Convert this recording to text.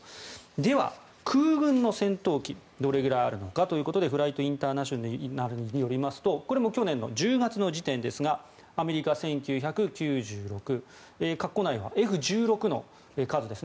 では、空軍の戦闘機どれくらいあるのかということで「フライト・インターナショナル」によりますとこれも去年１０月時点ですがアメリカ、１９９６かっこ内はＦ１６の数ですね。